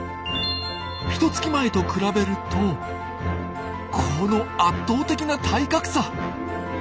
ひとつき前と比べるとこの圧倒的な体格差！